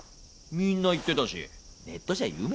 みんな言ってたしネットじゃ有名だよ。